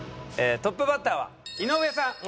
トップバッターは井上さん。